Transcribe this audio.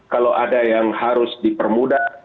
kalau ada yang harus dipermudah